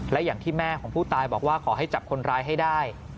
และอย่างที่แม่ของผู้ตายบอกว่าขอให้จับคนร้ายให้ได้